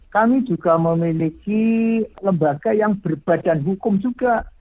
kami juga memiliki lembaga yang berbadan hukum juga